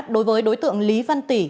đối với đối tượng lý văn tỉ